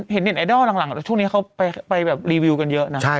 เห็นเน็ตไอดอลหลังช่วงนี้เขาไปแบบรีวิวกันเยอะนะ